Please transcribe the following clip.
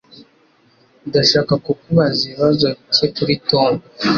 Ndashaka kukubaza ibibazo bike kuri Tom.